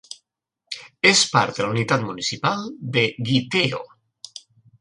És part de la unitat municipal de Gytheio.